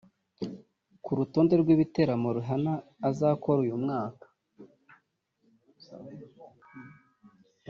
Ku rutonde rw’ibitaramo Rihanna azakora uyu mwaka